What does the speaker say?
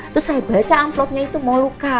terus saya baca amplopnya itu mau luka